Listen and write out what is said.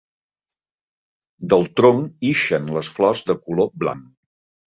Del tronc ixen les flors de color blanc.